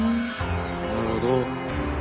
なるほど。